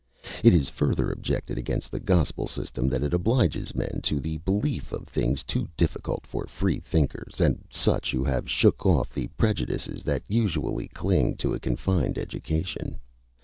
It is further objected against the Gospel system that it obliges men to the belief of things too difficult for Freethinkers, and such who have shook off the prejudices that usually cling to a confined education.